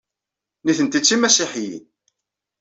Nitenti d timasiḥiyin.